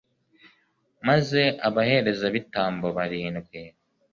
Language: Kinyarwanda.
maze abaherezabitambo barindwi